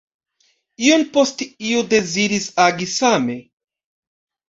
Iom poste iu deziris agi same.